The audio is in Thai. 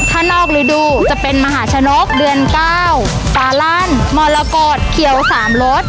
ถ้านอกฤดูจะเป็นมหาชนกเดือน๙ฟาลั่นมรกฏเขียวสามรส